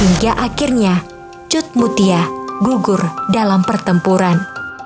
hanya saja akhirnya cutmutia gugur dalam pertempuran